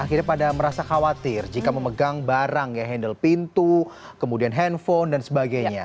akhirnya pada merasa khawatir jika memegang barang ya handle pintu kemudian handphone dan sebagainya